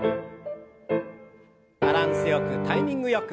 バランスよくタイミングよく。